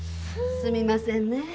すみませんねぇ。